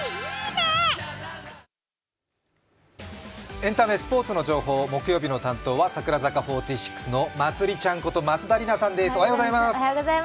エンタメ、スポーツの情報を木曜日の担当は櫻坂４６のまつりちゃんこと松田里奈さんです。